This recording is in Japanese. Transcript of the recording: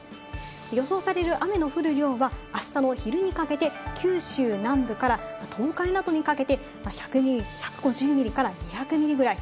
予想される雨の降る量は、あしたの昼にかけて、九州南部から東海などにかけて１５０ミリから２００ミリぐらい。